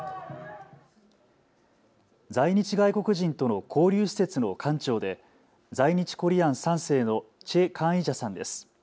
在日外国人との交流施設の館長で在日コリアン３世の崔江以子さんです。